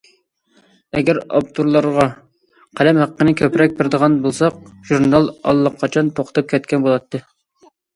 ئەگەر ئاپتورلارغا قەلەم ھەققىنى كۆپرەك بېرىدىغان بولساق، ژۇرنال ئاللىقاچان توختاپ كەتكەن بولاتتى.